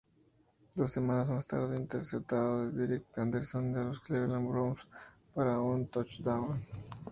Dos semanas más tarde interceptado Derek Anderson de los Cleveland Browns para un touchdown.